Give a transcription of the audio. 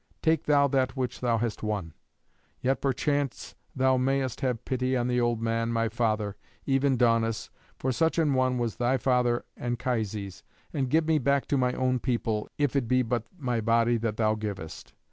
Take thou that which thou hast won. Yet perchance thou mayest have pity on the old man, my father, even Daunus, for such an one was thy father Anchises, and give me back to my own people, if it be but my body that thou givest.